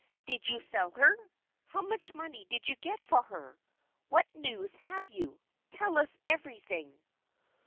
Did you sell her? How much money did you get for her? What news have you? Tell us everything."